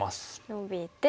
ノビて。